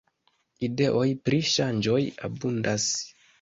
Ideoj pri ŝanĝoj abundas.